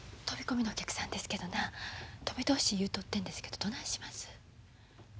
飛び込みのお客さんですけどな泊めてほしい言うとってんですけどどないします？